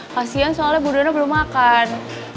kasian soalnya bu dona belum makan